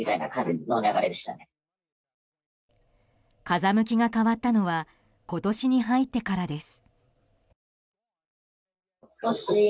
風向きが変わったのは今年に入ってからです。